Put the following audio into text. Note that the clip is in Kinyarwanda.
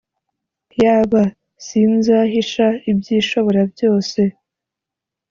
Yb sinzahisha iby Ishoborabyose